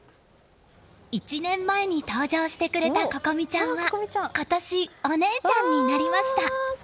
１年前に登場してくれた心咲ちゃんは心実ちゃんは今年お姉ちゃんになりました。